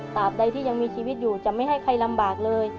ตามใดที่ยังมีชีวิตอยู่จะไม่ให้ใครลำบากเลย